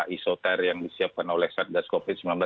isoter yang disiapkan oleh satgas covid sembilan belas